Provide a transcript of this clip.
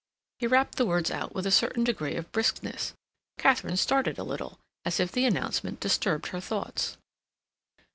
He rapped the words out with a certain degree of briskness. Katharine started a little, as if the announcement disturbed her thoughts.